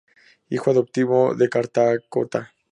Hijo adoptivo de Blanca Cotta.